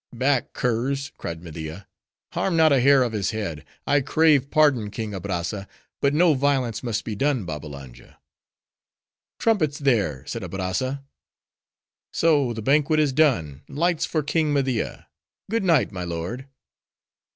"Back, curs!" cried Media. "Harm not a hair of his head. I crave pardon, King Abrazza, but no violence must be done Babbalanja." "Trumpets there!" said Abrazza; "so: the banquet is done—lights for King Media! Good night, my lord!"